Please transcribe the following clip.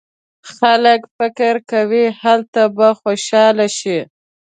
خلک فکر کوي هلته به خوشاله شي.